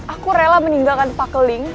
aku rela meninggalkan pak keling